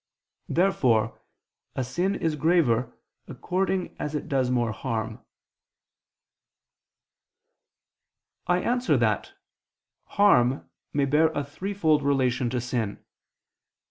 Therefore a sin is graver according as it does more harm. I answer that, Harm may bear a threefold relation to sin.